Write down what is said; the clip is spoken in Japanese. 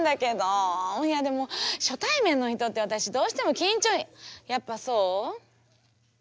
いやでも初対面の人って私どうしても緊張やっぱそう？